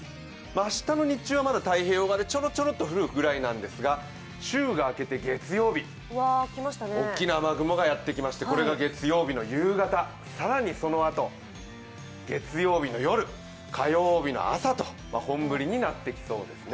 明日の日中はまだ太平洋側でちょろちょろと降るぐらいなんですが週が明けて月曜日、おっきな雨雲がやってきまして、これが月曜日の夕方更にそのあと月曜日の夜、火曜日の朝と本降りになってきそうですね。